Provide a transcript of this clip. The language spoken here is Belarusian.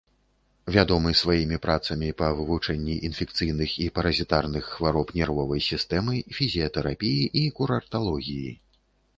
Вядомы сваімі працамі па вывучэнні інфекцыйных і паразітарных хвароб нервовай сістэмы, фізіятэрапіі і курарталогіі.